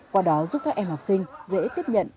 qua đó giúp các em học sinh dễ tiếp nhận